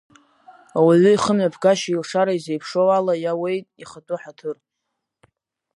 Ауаҩы ихымҩаԥгашьеи илшареи зеиԥшроу ала иауеит ихатәы ҳаҭыр.